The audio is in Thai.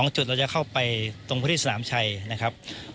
จุดเราจะเข้าไปตรงพื้นที่สนามชัยนะครับ